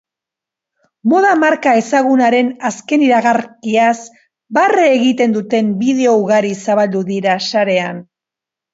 Moda marka ezagunaren azken iragarkiaz barre egiten duten bideo ugari zabaldu dira sarean.